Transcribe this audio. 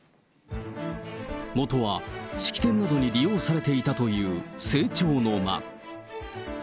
もとは式典などに利用されていたという正庁の間。